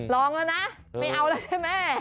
ลองแล้วนะไม่เอาแล้วใช่ไหม